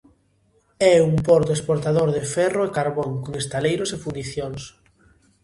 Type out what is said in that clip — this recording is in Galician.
É un porto exportador de ferro e carbón con estaleiros e fundicións.